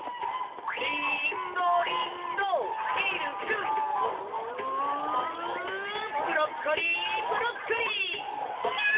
リーンゴリンゴミルクうブロッコリーブロッコリーあっ！